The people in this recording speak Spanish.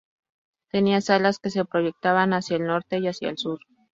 Tenía alas que se proyectaban hacia el norte y hacia el sur.